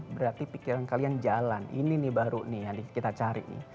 berarti pikiran kalian jalan ini nih baru nih yang kita cari nih